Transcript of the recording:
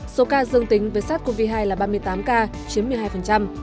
số ca dương tính với sars cov hai là ba mươi tám ca chiếm một mươi hai